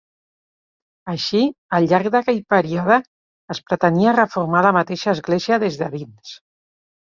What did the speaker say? Així, al llarg d'aquell període es pretenia reformar la mateixa església des de dins.